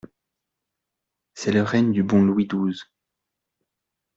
C'est le règne du bon Louis douze.